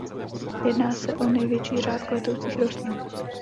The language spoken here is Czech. Jedná se o největší řád kvetoucích rostlin.